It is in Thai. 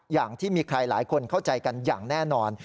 อย่างที่มีใครหลายคนเข้าใจกันอย่างแน่นอน